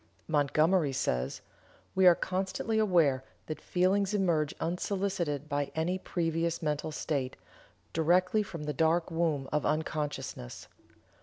Montgomery says: "We are constantly aware that feelings emerge unsolicited by any previous mental state, directly from the dark womb of unconsciousness.